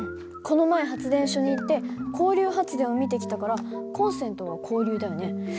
この前発電所に行って交流発電を見てきたからコンセントは交流だよね。